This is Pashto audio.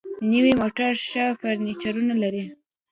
نوي موټر ښه فیچرونه لري.